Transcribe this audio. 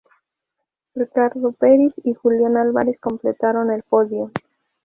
Ricardo Peris y Julio Álvarez completaron el podio.